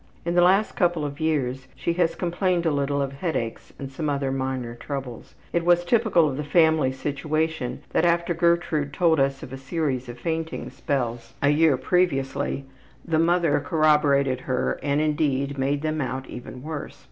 In the last couple of years she has complained a little of headaches and some other minor troubles. It was typical of the family situation that after Gertrude had told us of a series of fainting spells a year previously, the mother corroborated her and, indeed, made them out even worse.